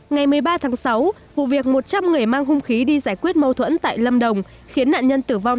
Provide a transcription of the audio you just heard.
ngày một mươi ba tháng sáu vụ việc một trăm linh người mang hung khí đi giải quyết mâu thuẫn tại lâm đồng khiến nạn nhân tử vong